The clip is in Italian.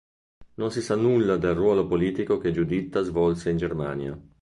Non si sa nulla del ruolo politico che Giuditta svolse in Germania.